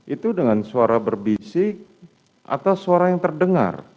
itu dengan suara berbisik atas suara yang terdengar